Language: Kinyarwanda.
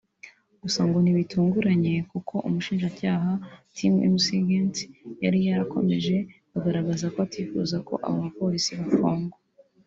Gusa ngo ntibitunguranye kuko umushinjacyaha Tim McGinty yari yarakomeje kugaragaza ko atifuza ko aba bapolisi bafungwa